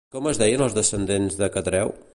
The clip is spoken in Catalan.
Com es deien els descendents de Catreu?